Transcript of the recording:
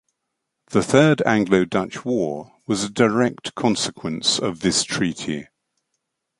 The Third Anglo-Dutch War was a direct consequence of this treaty.